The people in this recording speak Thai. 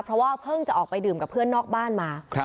เพราะว่าเพิ่งจะออกไปดื่มกับเพื่อนนอกบ้านมา